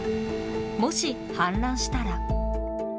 もし氾濫したら。